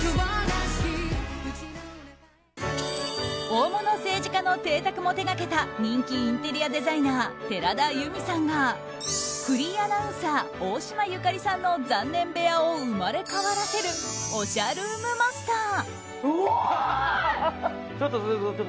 大物政治家の邸宅も手掛けた人気インテリアデザイナー寺田由実さんがフリーアナウンサー大島由香里さんの残念部屋を生まれ変わらせるおしゃルームマスター。